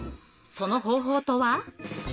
その方法とは？